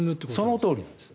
そのとおりなんです。